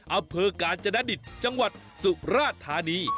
อำเภอกาณธนวันสุราษฐานี